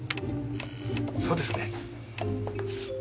そうですね。